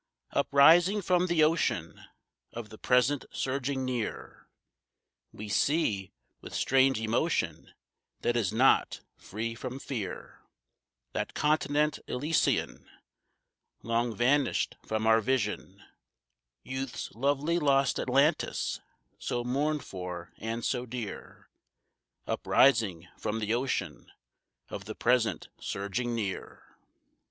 Uprising from the ocean of the present surging near, We see, with strange emotion that is not free from fear, That continent Elysian Long vanished from our vision, Youth's lovely lost Atlantis, so mourned for and so dear, Uprising from the ocean of the present surging near.